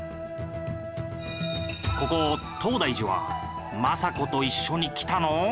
ここ東大寺は政子と一緒に来たのう。